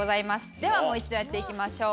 ではもう一度やっていきましょう。